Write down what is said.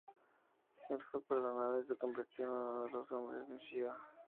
Él fue perdonado y se convirtió en uno de los hombres de Shiva.